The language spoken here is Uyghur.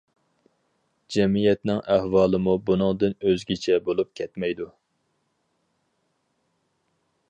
جەمئىيەتنىڭ ئەھۋالىمۇ بۇنىڭدىن ئۆزگىچە بولۇپ كەتمەيدۇ.